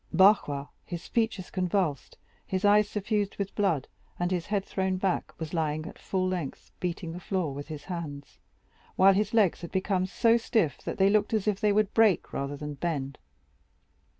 Barrois, his features convulsed, his eyes suffused with blood, and his head thrown back, was lying at full length, beating the floor with his hands, while his legs had become so stiff, that they looked as if they would break rather than bend.